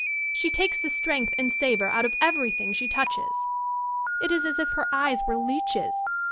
She takes the strength and savour out of everything she touches. It is as if her eyes were leeches.